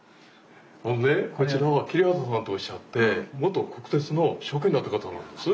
ほんでこちらは桐畑さんとおっしゃって元国鉄の職員だった方なんです。